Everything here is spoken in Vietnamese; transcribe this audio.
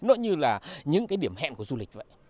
nó như là những cái điểm hẹn của du lịch vậy